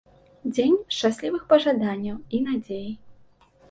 Дзень шчаслівых пажаданняў і надзей.